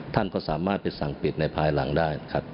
ท่านก็สามารถไปสั่งปิดในภายหลังได้นะครับ